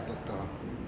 kamu tau gak